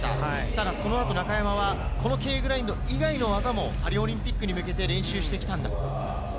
ただ、その後、中山はＫグラインド以外の技もパリオリンピックに向けて練習してきたんだ。